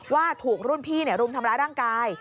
ว่าถูกรุ่นพี่รุมทำร้ายร่างกาย